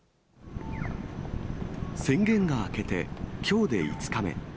宣言が明けてきょうで５日目。